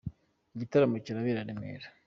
Igitaramo kirabera Remera.